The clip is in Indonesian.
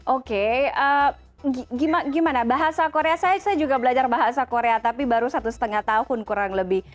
oke gimana bahasa korea saya juga belajar bahasa korea tapi baru satu setengah tahun kurang lebih